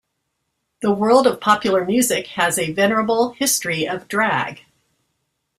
The world of popular music has a venerable history of drag.